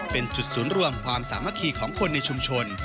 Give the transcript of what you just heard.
เป็นจุดสูญรวมความสามารถของคนในชุมชน